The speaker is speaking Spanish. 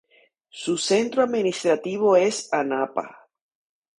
Su centro administrativo es Anapa.